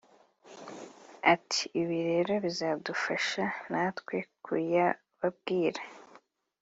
Ati "ibi rero bizadufasha natwe kuyababwira